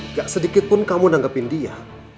nggak sedikitpun kamu nanggepin dia